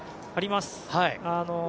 あります。